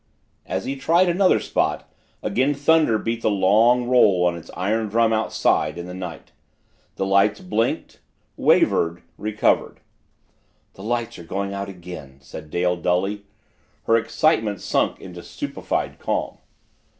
As he tried another spot, again thunder beat the long roll on its iron drum outside, in the night. The lights blinked wavered recovered. "The lights are going out again," said Dale dully, her excitement sunk into a stupefied calm.